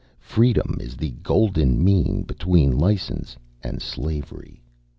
Freedom is the golden mean between license and slavery.